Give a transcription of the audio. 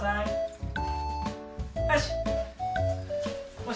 よし！